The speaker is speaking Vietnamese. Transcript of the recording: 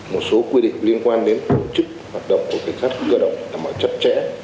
một số quy định liên quan đến tổ chức hoạt động của cảnh sát cơ động là mọi chất trẻ